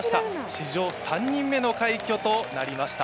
史上３人目の快挙となりました。